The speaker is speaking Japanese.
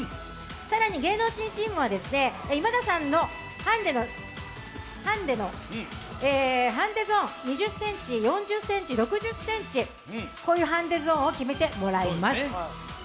更に芸能人チームは今田さんのハンデゾーン、２０ｃｍ、４０ｃｍ、６０ｃｍ、こういうハンデゾーンを決めてもらいます。